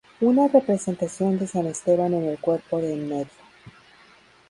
Una representación de San Esteban en el cuerpo de en medio.